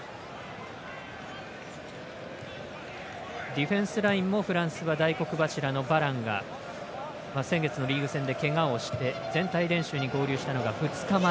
ディフェンスラインもフランスは大黒柱のバランが先月のリーグ戦でけがをして全体練習に合流したのが２日前。